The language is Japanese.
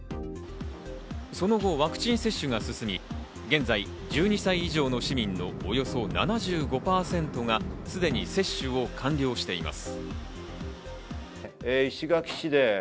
その後、ワクチン接種が進み、現在１２歳以上の市民のおよそ７５％がすでに接種を完了しています。